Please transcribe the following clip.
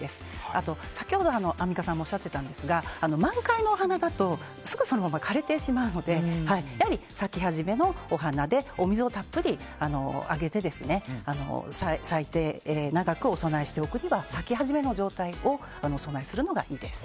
あと、先ほどアンミカさんもおっしゃってたんですが満開のお花だとすぐ枯れてしまうのでやはり咲き始めのお花でお水をたっぷりあげて咲いて長くお供えしておくには咲き始めの状態をお供えするのがいいです。